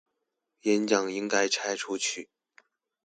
演講應該拆出去